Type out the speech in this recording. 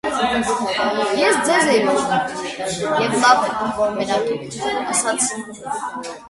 - Ես ձեզ էի որոնում, և լավ է, որ մենակ եք,- ասաց նա: